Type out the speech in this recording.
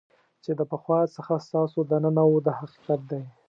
چې د پخوا څخه ستاسو دننه وو دا حقیقت دی.